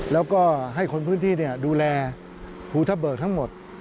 แล้วก็ให้คนพื้นที่ดูแลภูทะเบิกทั้งหมด